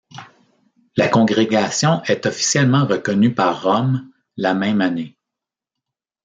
La congrégation est officiellement reconnue par Rome, la même année.